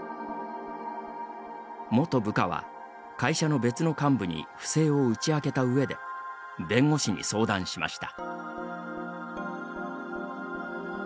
元部下は、会社の別の幹部に不正を打ち明けたうえで弁護士に相談しました。